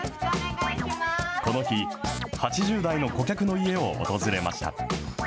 この日、８０代の顧客の家を訪れました。